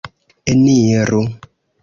Eniru!